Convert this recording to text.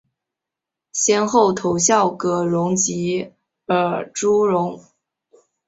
先后投效葛荣及尔朱荣。